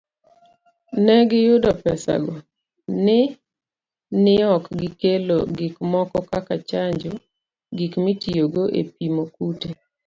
Ne giyudo pesago, ni neok gikelo gikmoko kaka chanjo, gik mitiyogo epimo kute